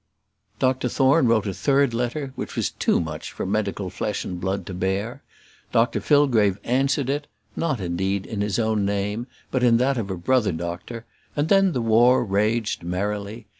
Dr Thorne wrote a third letter, which was too much for medical flesh and blood to bear. Dr Fillgrave answered it, not, indeed, in his own name, but in that of a brother doctor; and then the war raged merrily.